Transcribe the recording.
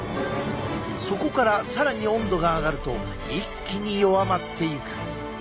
そこから更に温度が上がると一気に弱まっていく。